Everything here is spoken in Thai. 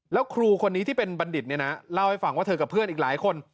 แล้วครูคนนี้ที่เป็นบัณฑิตเนี่ยนะเล่าให้ฟังว่าเธอกับเพื่อนอีกหลายคน